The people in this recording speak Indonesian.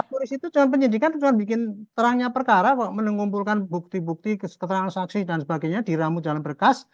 polisi itu penyidikan itu cuma bikin terangnya perkara menunggulkan bukti bukti keterangan saksi dan sebagainya di ramu jalan berkas